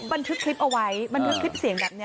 อ้ระมันเสียงเด็กนี่